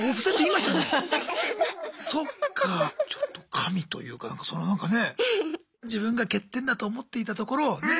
神というかなんかそのなんかねえ自分が欠点だと思っていたところをね。